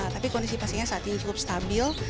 tapi kondisi pasiennya saat ini cukup stabil